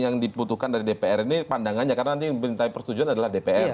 yang dibutuhkan dari dpr ini pandangannya karena nanti yang dimintai persetujuan adalah dpr